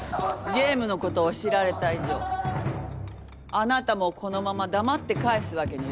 ゲームの事を知られた以上あなたもこのまま黙って帰すわけにはいかないわね。